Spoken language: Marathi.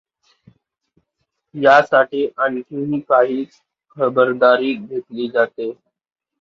यासाठी आणखीही काही खबरदारी घेतली जाते.